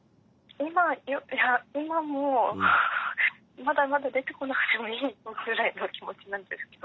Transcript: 今いや今もまだまだ出てこなくてもいいぞぐらいの気持ちなんですけど。